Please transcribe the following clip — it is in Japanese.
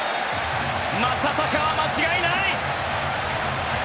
正尚は間違いない！